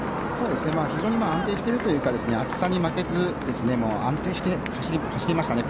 非常に安定しているというか暑さに負けず安定して走りましたね。